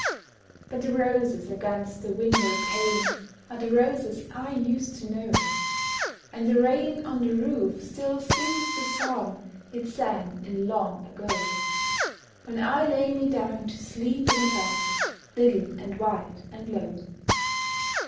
But the roses against the window pane Are the roses I used to know; And the rain on the roof still sings the song It sang in the long ago, When I lay me down to sleep in a bed Little and white and low.